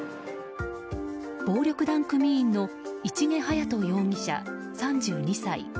暴力団組員の市毛勇人容疑者、３２歳。